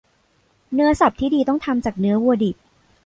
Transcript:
เนื้อสับที่ดีต้องทำจากเนื้อวัวดิบ